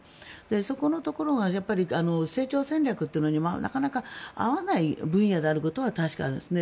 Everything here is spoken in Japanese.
そこのところが成長戦略というのになかなか合わない分野であることは確かですね。